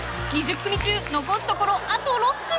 ［２０組中残すところあと６組］